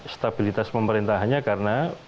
stabilitas pemerintahnya karena